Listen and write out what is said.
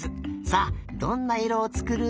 さあどんないろをつくる？